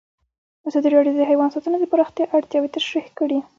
ازادي راډیو د حیوان ساتنه د پراختیا اړتیاوې تشریح کړي.